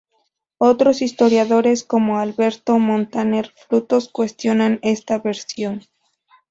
Otros historiadores como Alberto Montaner Frutos cuestionan esta versión.